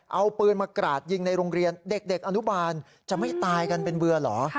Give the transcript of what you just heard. เอาปืนมากราดยิงในโรงเรียนเด็กอนุบาลจะไม่ตายกันเป็นเบื่อเหรอ